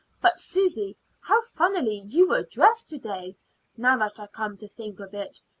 But, Susy, how funnily you were dressed to day, now that I come to think of it!